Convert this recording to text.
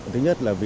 thứ nhất là vì